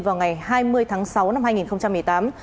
vào ngày hai mươi tháng sáu năm hai nghìn một mươi tám